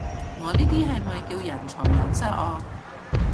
我呢啲係咪叫人財兩失啊？